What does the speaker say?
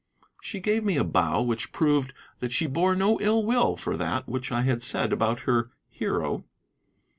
She gave me a bow which proved that she bore no ill will for that which I had said about her hero.